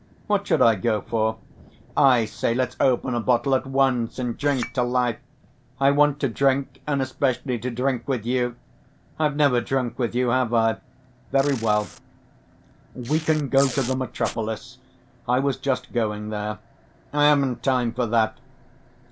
"What should I go for?" "I say, let's open a bottle at once, and drink to life! I want to drink, and especially to drink with you. I've never drunk with you, have I?" "Very well, we can go to the 'Metropolis.' I was just going there." "I haven't time for that.